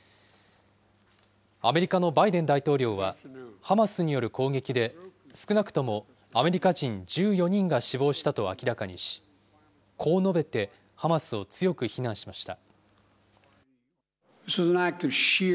アメリカのバイデン大統領は、ハマスによる攻撃で、少なくともアメリカ人１４人が死亡したと明らかにし、こう述べて、ハマスを強く非難しました。